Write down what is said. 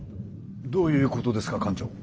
どういうことですか艦長。